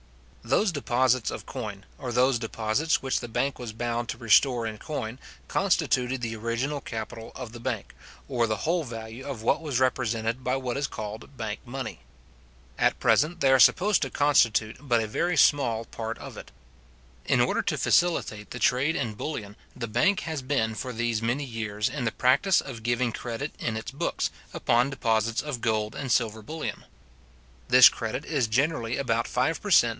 Those deposits of coin, or those deposits which the bank was bound to restore in coin, constituted the original capital of the bank, or the whole value of what was represented by what is called bank money. At present they are supposed to constitute but a very small part of it. In order to facilitate the trade in bullion, the bank has been for these many years in the practice of giving credit in its books, upon deposits of gold and silver bullion. This credit is generally about five per cent.